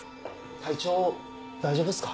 体調大丈夫っすか？